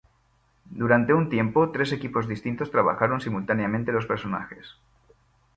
Durante un tiempo, tres equipos distintos trabajaron simultáneamente los personajes.